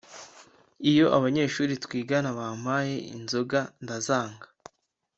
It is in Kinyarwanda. iyo abanyeshuri twigana bampaye inzoga ndazanga.